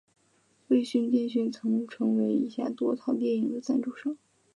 卫讯电讯曾成为以下多套电影的赞助商。